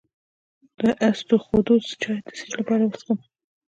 د اسطوخودوس چای د څه لپاره وڅښم؟